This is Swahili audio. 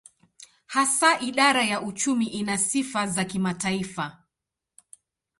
Hasa idara ya uchumi ina sifa za kimataifa.